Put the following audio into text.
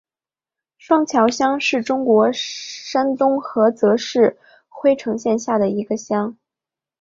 双桥乡是中国山东省菏泽市郓城县下辖的一个乡。